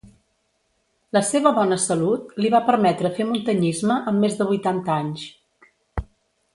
La seva bona salut li va permetre fer muntanyisme amb més de vuitanta anys.